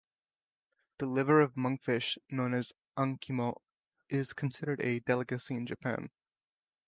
The liver of monkfish, known as "ankimo", is considered a delicacy in Japan.